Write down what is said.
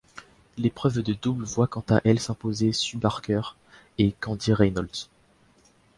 L'épreuve de double voit quant à elle s'imposer Sue Barker et Candy Reynolds.